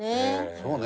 そうね。